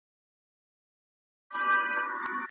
افغانستان به بیا لوی او پیاوړی شي.